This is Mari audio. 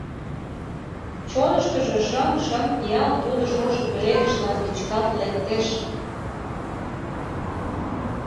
Чоныштыжо шыҥ-шыҥ пиал, тудо шошо пеледышла печкалт лектеш.